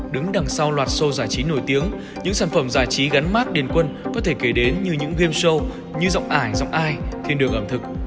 đứng đằng sau loạt xô giải trí nổi tiếng những sản phẩm giải trí gắn mát đền quân có thể kể đến như những game show như giọng ải giọng ai thiên đường ẩm thực